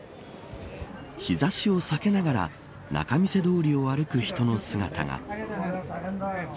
日差しを避けながら仲見世通りを歩く人の姿が。